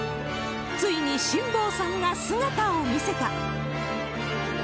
ついに辛坊さんが姿を見せた。